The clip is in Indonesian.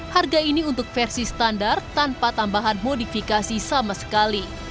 harga ini untuk versi standar tanpa tambahan modifikasi sama sekali